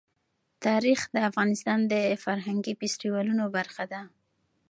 تاریخ د افغانستان د فرهنګي فستیوالونو برخه ده.